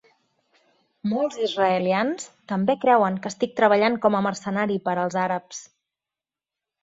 Molts israelians també creuen que estic treballant com a mercenari per als àrabs.